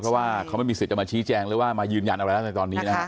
เพราะว่าเขาไม่มีสิทธิ์จะมาชี้แจงหรือว่ามายืนยันอะไรแล้วในตอนนี้นะ